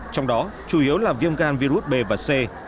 trong đó chủ yếu là viêm gan virus b và c